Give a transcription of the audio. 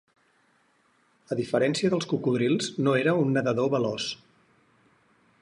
A diferència dels cocodrils no era un nedador veloç.